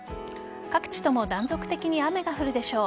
各地とも断続的に雨が降るでしょう。